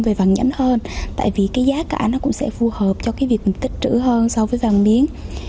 về vàng nhẫn hơn tại vì cái giá cả nó cũng sẽ phù hợp cho cái việc mình tích trữ hơn so với vàng miếng